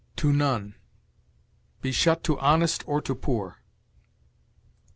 To none be shut to honest or to poor!"